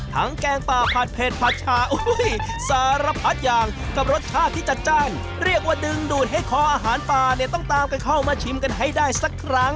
แกงป่าผัดเผ็ดผัดชาสารพัดอย่างกับรสชาติที่จัดจ้านเรียกว่าดึงดูดให้คออาหารป่าเนี่ยต้องตามกันเข้ามาชิมกันให้ได้สักครั้ง